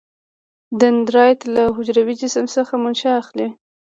دندرایت له حجروي جسم څخه منشا اخلي.